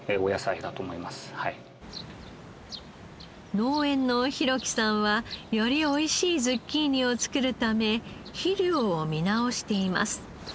農園の弘貴さんはよりおいしいズッキーニを作るため肥料を見直しています。